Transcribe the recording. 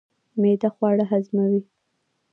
معده خواړه هضموي.